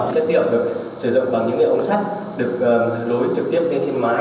chất liệu được sử dụng bằng những nghệ ống sắt được lối trực tiếp lên trên mái